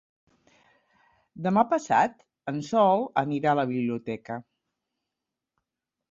Demà passat en Sol anirà a la biblioteca.